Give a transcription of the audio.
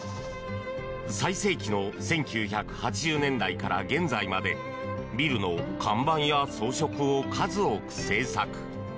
最盛期の１９８０年代から現在までビルの看板や装飾を数多く制作。